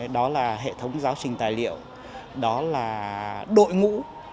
đó là hệ thống giáo trình tài liệu đó là đội ngũ